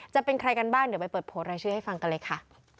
จะเป็นใครกันบ้างเดี๋ยวไปเปิดโผล่รายชื่อให้ฟังกันเลยค่ะ